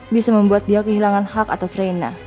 bisa membuat dia kehilangan hak atas reina